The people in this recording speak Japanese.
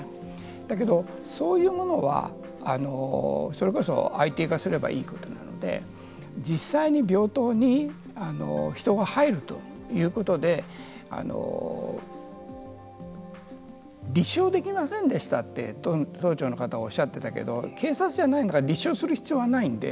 だけど、そういうものはそれこそＡＩ化すればいいことなので実際に病棟に人が入るということで立証できませんでしたって都の方はおっしゃっていましたけど警察じゃないから立証する必要はないので。